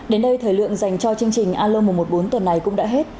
đến đây thời lượng dành cho chương trình alo một trăm một mươi bốn tuần này cũng đã hết